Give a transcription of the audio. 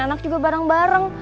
dan anak anak juga bareng bareng